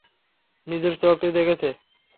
নিজের চোখে দেখেছ?